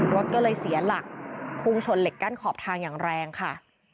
รถก็เลยเสียหลักพุ่งชนเหล็กกั้นขอบทางอย่างแรงค่ะ